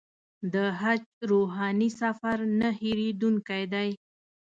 د حج روحاني سفر نه هېرېدونکی دی.